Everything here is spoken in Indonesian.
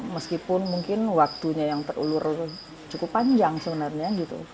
meskipun mungkin waktunya yang terulur cukup panjang sebenarnya gitu